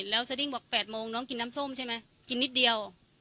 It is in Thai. แล้วสดิ้งบอก๘โมงน้องกินน้ำส้มใช่ไหมกินนิดเดียว